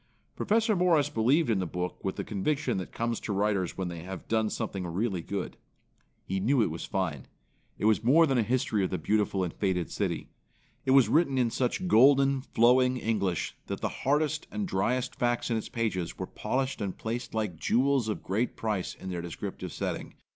Professor Morris believed in the book with the conviction that comes to writers when they have done something really good. He knew it was fine. It was more than a history of the beautiful and fated city. It was written in such golden, flowing English that the hardest and driest facts in its pages were polished and placed like jewels of great price in their descriptive setting.